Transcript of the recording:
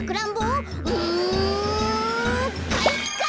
うんかいか！